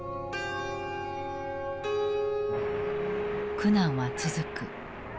苦難は続く。